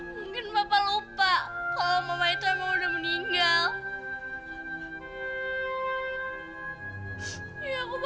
mungkin papa lupa kalau mama itu udah meninggal